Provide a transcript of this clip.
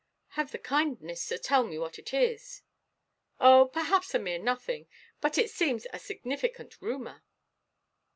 "Have the kindness to tell me what it is." "Oh, perhaps a mere nothing. But it seems a significant rumour."